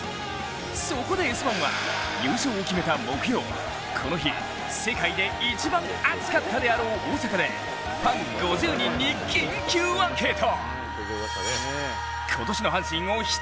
そこで「Ｓ☆１」は、優勝を決めた木曜この日、世界で一番熱かったであろう大阪でファン５０人に緊急アンケート。